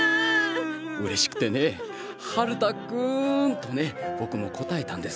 うれしくてね「春太くん！」とね僕も答えたんです。